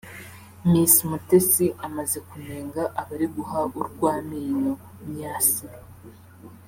Miss Mutesi amaze kunenga abari guha urw’amenyo Myasiro